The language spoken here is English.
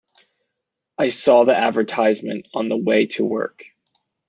I saw the advertisement on the way to work.